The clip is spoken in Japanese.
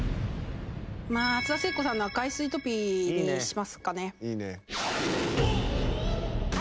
松田聖子さんの『赤いスイートピー』にしますかね。